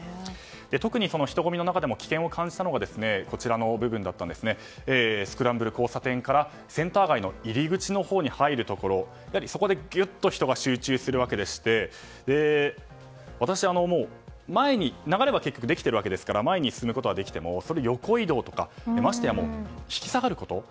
特に、人混みの中でも危険を感じたのがスクランブル交差点からセンター街の入り口のほうへ入るところそこでぎゅっと人が集中するわけでして流れはできているわけですから前に進むことはできてもそれを横移動とかましてや引き下がること